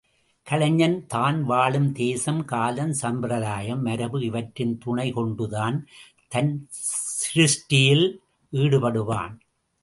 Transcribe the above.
கலைஞன் தான் வாழும் தேசம், காலம், சம்பிரதாயம், மரபு இவற்றின் துணை கொண்டுதான் தன் சிருஷ்டியில் ஈடுபடுவான்.